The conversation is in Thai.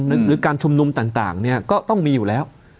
หรือการชุมนุมต่างเนี่ยก็ต้องมีอยู่แล้ว